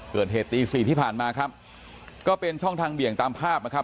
เกิดเหตุตีสี่ที่ผ่านมาครับก็เป็นช่องทางเบี่ยงตามภาพนะครับ